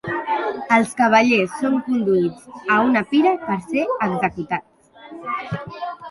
Els cavallers són conduïts a una pira per ser executats.